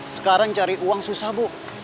sekarang cari uang susah bu